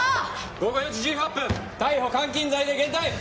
午後４時１８分逮捕監禁罪で現逮！